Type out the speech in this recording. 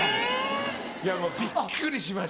もうびっくりしました。